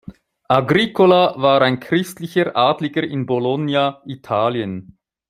Agricola war ein christlicher Adliger in Bologna, Italien.